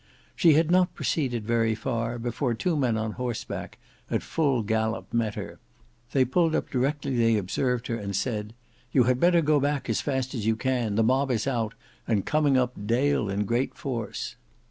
She had not proceeded very far before two men on horseback, at full gallop, met her. They pulled up directly they observed her, and said, "You had better go back as fast as you can: the mob is out, and coming up Dale in great force."